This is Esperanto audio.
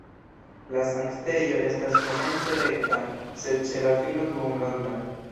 La sanktejo estas komence rekta, sed ĉe la fino duonronda.